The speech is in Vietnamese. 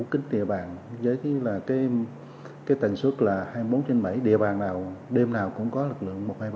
kích địa bàn với cái tần suất là hai mươi bốn trên bảy địa bàn nào đêm nào cũng có lực lượng